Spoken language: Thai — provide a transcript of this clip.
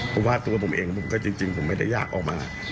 เพราะว่าตัวผมเองผมก็จริงผมไม่ได้อยากออกมา